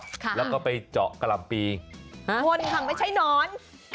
ค่ะแล้วก็ไปเจาะกะลำปีหวนขังไม่ใช่นอน